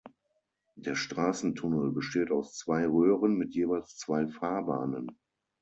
Der Straßen-Tunnel besteht aus zwei Röhren mit jeweils zwei Fahrbahnen.